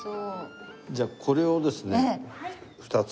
じゃあこれをですね２つ頂けますか？